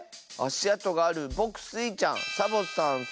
あしあとがあるぼくスイちゃんサボさん